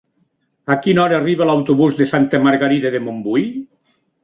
A quina hora arriba l'autobús de Santa Margarida de Montbui?